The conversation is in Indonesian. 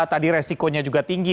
tadi resikonya juga tinggi